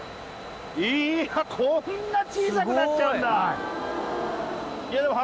いやこんな小さくなっちゃうんだ！